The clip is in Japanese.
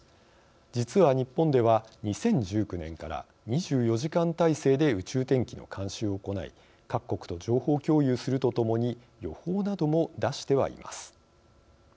実は日本は２０１９年から２４時間体制で宇宙天気の監視を行い各国と情報共有するとともに予報なども出してはいます。